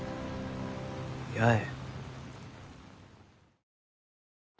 八重。